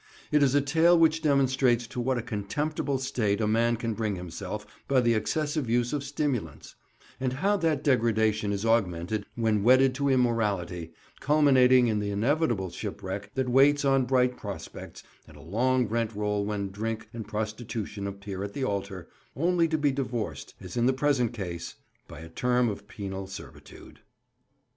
It is a tale which demonstrates to what a contemptible state a man can bring himself by the excessive use of stimulants, and how that degradation is augmented when wedded to immorality, culminating in the inevitable shipwreck that waits on bright prospects and a long rent roll when drink and prostitution appear at the altar, only to be divorced, as in the present case, by a term of penal servitude.